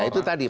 ya itu tadi